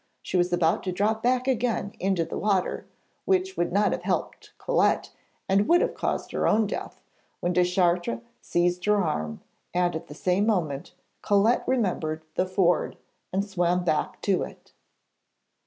She was about to drop back again into the water, which would not have helped Colette and would have caused her own death, when Deschartres seized her arm; and at the same moment Colette remembered the ford and swam back to it.